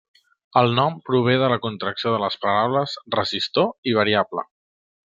El nom prové de la contracció de les paraules resistor i variable.